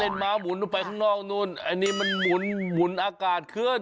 เล่นม้าหมุนออกไปข้างนอกนู้นอันนี้มันหมุนอากาศขึ้น